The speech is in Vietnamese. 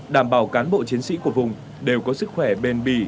đảm bảo cán bộ chiến sĩ của vùng đều có sức khỏe bền bì